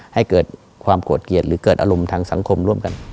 ให้เกิดความโกรธเกลียดหรือเกิดอารมณ์ทางสังคมร่วมกัน